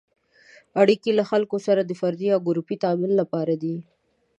اړیکې له خلکو سره د فردي یا ګروپي تعامل لپاره دي.